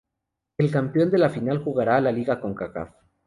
El campeón de la final jugará la Liga Concacaf.